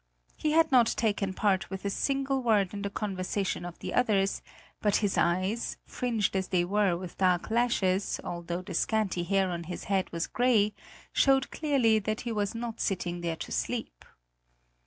He had not taken part with a single word in the conversation of the others, but his eyes, fringed as they were with dark lashes, although the scanty hair on his head was grey, showed clearly that he was not sitting there to sleep.